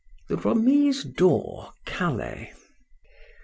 THE REMISE DOOR. CALAIS.